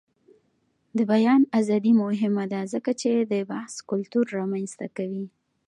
د بیان ازادي مهمه ده ځکه چې د بحث کلتور رامنځته کوي.